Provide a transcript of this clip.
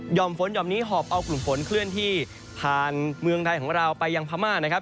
่อมฝนห่อมนี้หอบเอากลุ่มฝนเคลื่อนที่ผ่านเมืองไทยของเราไปยังพม่านะครับ